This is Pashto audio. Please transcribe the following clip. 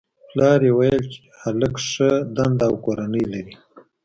پلار یې ویل چې هلک ښه دنده او کورنۍ لري